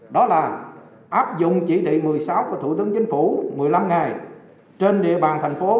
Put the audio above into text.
đó là áp dụng chỉ thị một mươi sáu của thủ tướng chính phủ một mươi năm ngày trên địa bàn thành phố